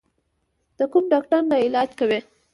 د کوم ډاکټر نه علاج کوې؟